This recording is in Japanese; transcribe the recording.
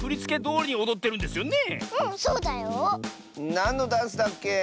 なんのダンスだっけ？